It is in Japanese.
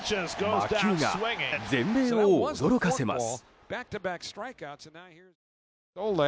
魔球が全米を驚かせます。